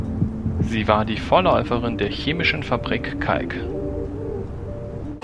Sie war die Vorläuferin der Chemischen Fabrik Kalk.